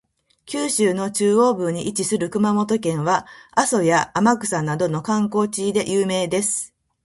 九州の中央部に位置する熊本県は、阿蘇や天草などの観光地で有名です。